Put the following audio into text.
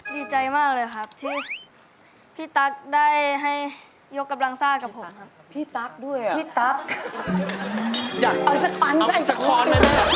ดีใจมากเลยครับที่พี่ตั๊กได้ให้ยกกับลางซ่ากับผม